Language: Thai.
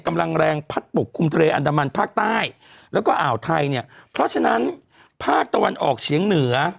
กำลังแรงพัดปกคลุมทะเลอันดามันภาคใต้แล้วก็อ่าวไทยเนี่ยเพราะฉะนั้นภาคตะวันออกเฉียงเหนือ